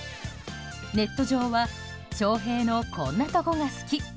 ネット上は翔平のこんなとこが好き！